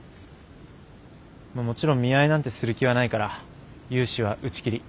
もちろん見合いなんてする気はないから融資は打ち切り。